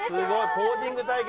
ポージング対決。